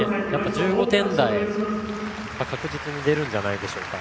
１５点台は確実に出るんじゃないでしょうか。